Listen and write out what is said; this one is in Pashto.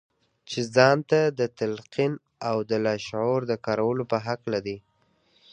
چې ځان ته د تلقين او د لاشعور د کارولو په هکله دي.